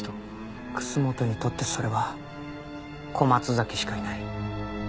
楠本にとってそれは小松崎しかいない。